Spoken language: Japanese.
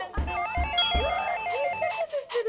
めっちゃキスしてる！